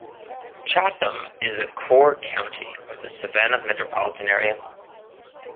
Chatham is the core county of the Savannah metropolitan area.